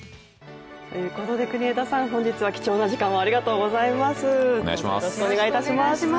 国枝さん、本日は貴重な時間をありがとうございます。